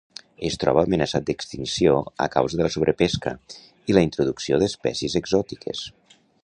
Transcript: Es troba amenaçat d'extinció a causa de la sobrepesca i la introducció d'espècies exòtiques.